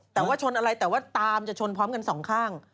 แต่ว่าชนอะไรแต่ว่าตามจะชนพร้อมกันสองข้าง